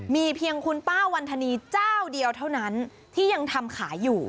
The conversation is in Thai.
มีเพียงคุณป้าวันธนีเจ้าเดียวเท่านั้นที่ยังทำขายอยู่